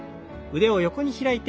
腕を大きく横に開いて。